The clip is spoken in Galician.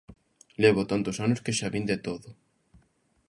Levo tantos anos que xa vin de todo.